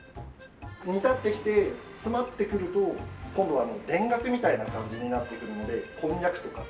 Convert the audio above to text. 煮立ってきて詰まってくると今度は田楽みたいな感じになってくるのでこんにゃくとか。